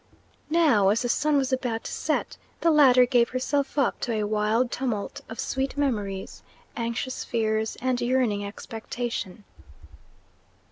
Now, as the sun was about to set, the latter gave herself up to a wild tumult of sweet memories, anxious fears, and yearning expectation.